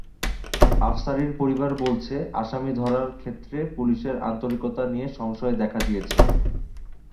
আফসারির পরিবার বলছে, আসামি ধরার ক্ষেত্রে পুলিশের আন্তরিকতা নিয়ে সংশয় দেখা দিয়েছে।